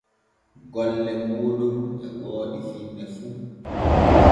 Golle mooɗon e wooɗi finne fu.